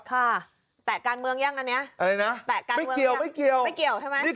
แตะการเมืองยังอันเนี้ยอะไรนะแตะกันไม่เกี่ยวไม่เกี่ยวไม่เกี่ยวใช่ไหม